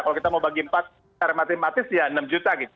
kalau kita mau bagi empat secara matematis ya enam juta gitu